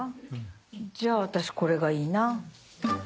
じゃあ私これがいいな。